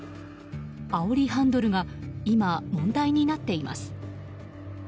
あおりハンドルが今、問題になっています。